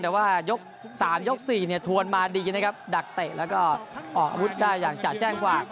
แต่ว่ายก๓ยก๔เนี่ยทวนมาดีนะครับดักเตะแล้วก็ออกอาวุธได้อย่างจะแจ้งกว่า